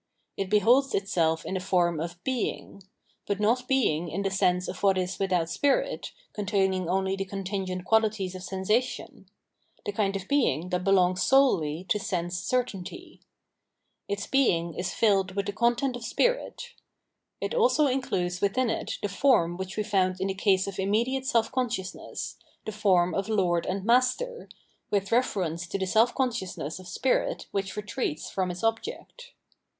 It beholds itself in the form of being ; but not being in the sense of what is without * Parsee religion. 701 702 PJiemnmwlogij of Mind spirit, containing only the contingent qualities of sensa tion — the land of being that belongs solely to sense certainty. Its being is filled with the content of spirit. It also includes within it the form which we found in the case of immediate self consciousness, the form of lord and master,* with reference to the self consciousness of spirit which retreats from its object.